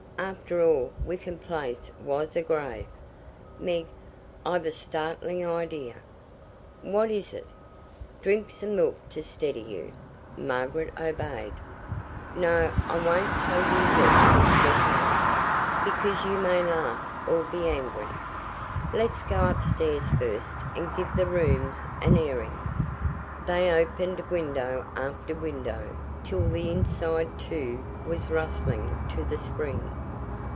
After all, Wickham Place was a grave. Meg, I've a startling idea." "What is it?" "Drink some milk to steady you." Margaret obeyed. "No, I won't tell you yet," said Helen, "because you may laugh or be angry. Let's go upstairs first and give the rooms an airing." They opened window after window, till the inside, too, was rustling to the spring.